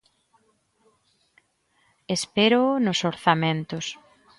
Espéroo nos orzamentos.